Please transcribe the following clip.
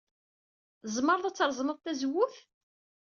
Tzemred ad treẓmed tazewwut.